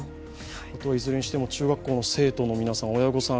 いずれにしても、中学校の生徒の皆さん、親御さん、